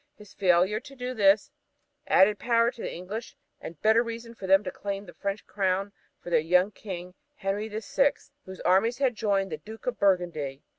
His failure to do this gave added power to the English and better reason for them to claim the French crown for their young King, Henry the Sixth, whose armies had joined the Duke of Burgundy.